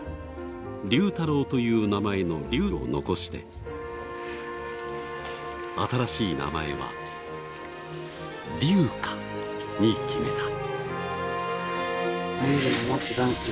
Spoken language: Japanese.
流太郎という名前の流を残して新しい名前は、流華に決めた。